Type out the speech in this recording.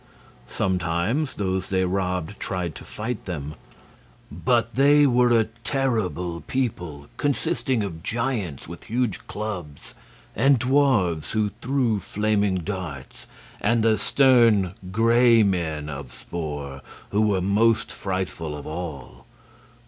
Sometimes those they robbed tried to fight them; but they were a terrible people, consisting of giants with huge clubs, and dwarfs who threw flaming darts, and the stern Gray Men of Spor, who were most frightful of all.